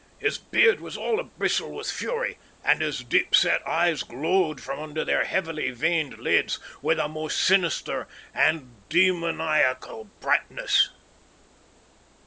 His beard was all a bristle with fury, and his deepset eyes glowed from under their heavily veined lids with a most sinister and demoniacal brightness.